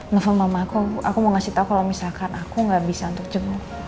nelfon mama aku aku mau kasih tau kalau misalkan aku nggak bisa untuk jenguk